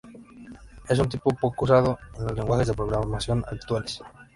Es un tipo poco usado en los lenguajes de programación actuales.